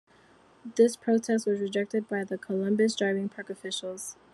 This protest was rejected by the Columbus Driving Park officials.